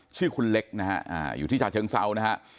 ชื่อคุณเล็กนะฮะอยู่ที่ชาเชิงเซานะฮะ